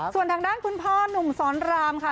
ส่วนทางด้านคุณพ่อหนุ่มสอนรามค่ะ